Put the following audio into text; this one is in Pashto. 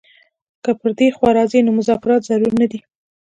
که پر دې خوا راځي نو مذاکرات ضرور نه دي.